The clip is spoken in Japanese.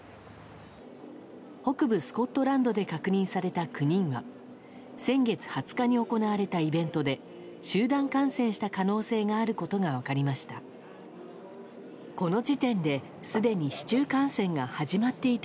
北部スコットランドで確認された９人は先月２０日に行われたイベントで集団感染した可能性があることが分かりました。